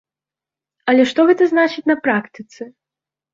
Але што гэта значыць на практыцы?